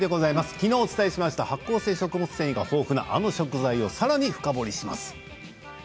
きのうお伝えした発酵性食物繊維が豊富なあの食材をさらに深掘りします。